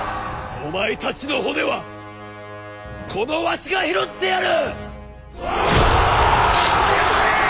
お前たちの骨はこのわしが拾ってやる！